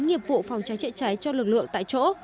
nghiệp vụ phòng cháy chữa cháy cho lực lượng tại chỗ